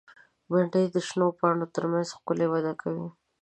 بېنډۍ د شنو پاڼو تر منځ ښکلي وده کوي